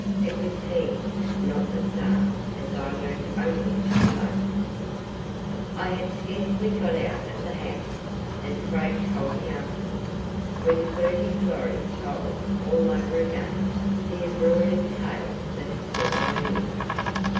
It was he not the Star as I learned only too late. ........ I had scarcely got out of the house, as Craig told me afterwards, when Flirty Florrie told all over again the embroidered tale that had caught my ear.